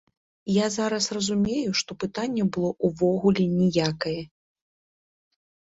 Я зараз разумею, што пытанне было ўвогуле ніякае.